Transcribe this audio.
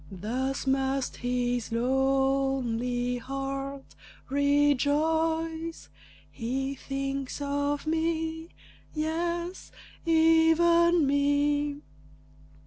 Thus must his lonely heart rejoice, "He thinks of me; yes, even me!"